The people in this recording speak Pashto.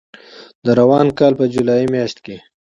د روان کال په جولای په میاشت کې